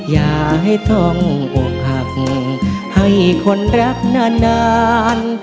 อย่าให้ท่องอกหักให้คนรักนาน